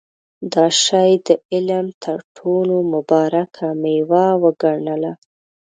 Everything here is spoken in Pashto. دا شی د علم تر ټولو مبارکه مېوه وګڼله.